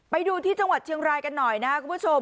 ไปดูที่จังหวัดเชียงรายกันหน่อยนะครับคุณผู้ชม